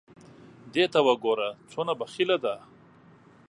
دې ته وګوره څونه بخیله ده !